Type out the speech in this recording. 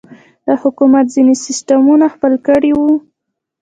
د حکومت ځينې سسټمونه خپل کړي وو.